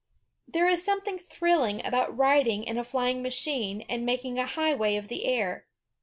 There is something thrilling about riding in a flying machine and making a highway of the air.